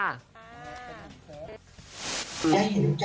อ่า